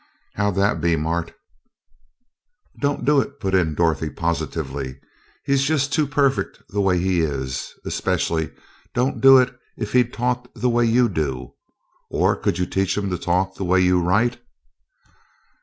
How'd that be, Mart?" "Don't do it," put in Dorothy, positively. "He's just too perfect the way he is. Especially don't do it if he'd talk the way you do or could you teach him to talk the way you write?"